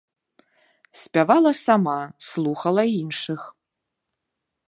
Спявала сама, слухала іншых.